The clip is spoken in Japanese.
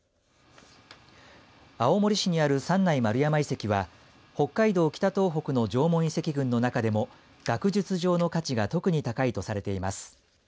青森市にある三内丸山遺跡は北海道・北東北の縄文遺跡群の中でも学術上の価値が特に高いとされています。